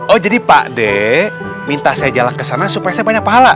oh jadi pak d minta saya jalan kesana supaya saya banyak pahala